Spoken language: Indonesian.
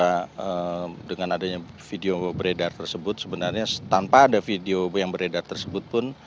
karena dengan adanya video beredar tersebut sebenarnya tanpa ada video yang beredar tersebut pun